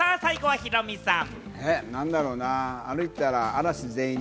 最後はヒロミさん。